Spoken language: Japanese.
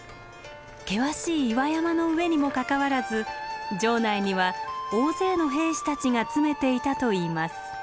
険しい岩山の上にもかかわらず城内には大勢の兵士たちが詰めていたといいます。